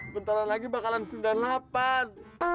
bentaran lagi bakalan sembilan lapan